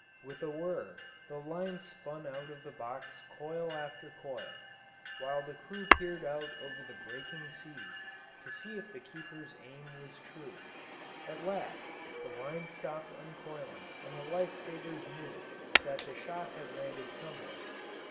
With a whir the line spun out of the box coil after coil, while the crew peered out over the breaking seas to see if the keeper's aim was true. At last the line stopped uncoiling and the life savers knew that the shot had landed somewhere.